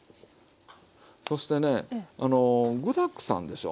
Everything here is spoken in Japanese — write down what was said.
そしてね具だくさんでしょ。